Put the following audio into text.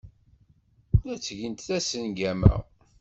La ttgent tasengama.